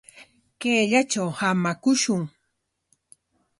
Kayllatraw hamakushun.